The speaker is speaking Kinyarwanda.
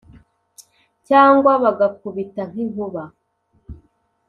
cyangwa bagakubita nk’inkuba